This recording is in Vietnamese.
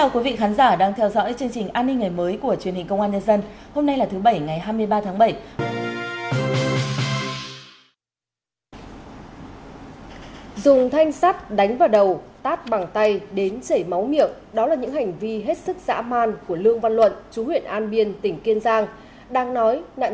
cảm ơn các bạn đã theo dõi